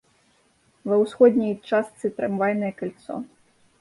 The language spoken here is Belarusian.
Ва ўсходняй частцы трамвайнае кальцо.